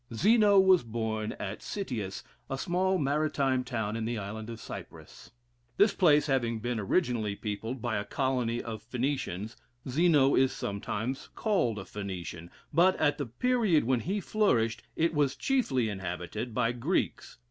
Zeno was born at Cittius, a small maritime town in the Island of Cyprus. This place having been originally peopled by a colony of Phoenicians, Zeno is sometimes called a Phoenician; but at the period when he flourished, it was chiefly inhabited by Greeks.